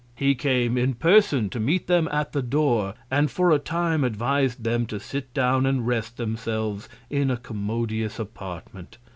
He came in Person to meet them at the Door, and for a Time, advis'd them to sit down and rest themselves in a commodious Apartment.